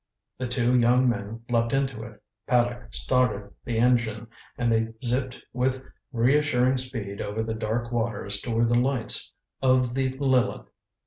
The two young men leaped into it, Paddock started the engine, and they zipped with reassuring speed over the dark waters toward the lights of the Lileth.